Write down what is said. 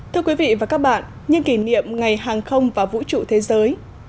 thưa quý vị và các bạn nhân kỷ niệm ngày hàng không và vũ trụ thế giới